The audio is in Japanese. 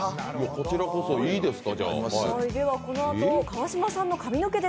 こちらこそいいですか？